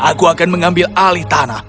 aku akan mengambil alih tanah